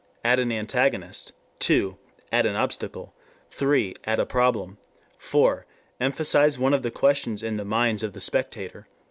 Add an antagonist, 2. Add an obstacle, 3. Add a problem, 4. Emphasize one of the questions in the minds of the spectator.